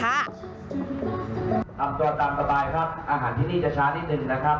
ทำตัวตามสบายครับอาหารที่นี่จะช้านิดนึงนะครับ